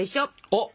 おっ！